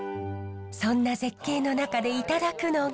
そんな絶景の中でいただくのが。